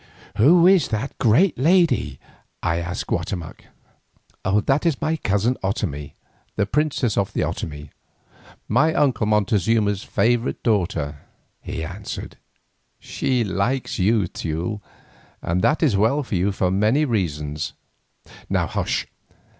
"Who is that great lady?" I asked of Guatemoc. "That is my cousin Otomie, the princess of the Otomie, my uncle Montezuma's favourite daughter," he answered. "She likes you, Teule, and that is well for you for many reasons. Hush!"